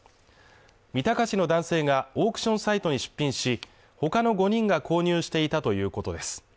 三鷹市の男性が、オークションサイトに出品し、他の５人が購入していたということです。